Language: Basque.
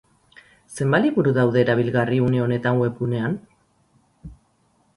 Zenbat liburu daude erabilgarri une honetan webgunean?